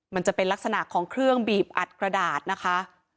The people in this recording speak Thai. มันจะเป็นลักษณะของเครื่องบีบอัดกระดาษนะคะ